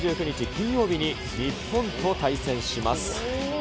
金曜日に日本と対戦します。